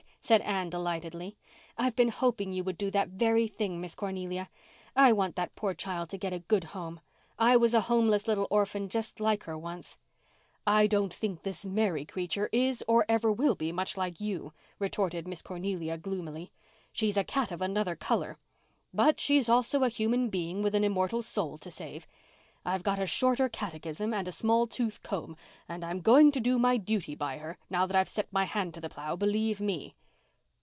said Anne delightedly. "I've been hoping you would do that very thing, Miss Cornelia. I want that poor child to get a good home. I was a homeless little orphan just like her once." "I don't think this Mary creature is or ever will be much like you," retorted Miss Cornelia gloomily. "She's a cat of another colour. But she's also a human being with an immortal soul to save. I've got a shorter catechism and a small tooth comb and I'm going to do my duty by her, now that I've set my hand to the plough, believe me."